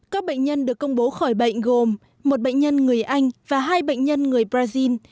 các bệnh nhân được công bố khỏi bệnh gồm một bệnh nhân người anh và hai bệnh nhân người brazil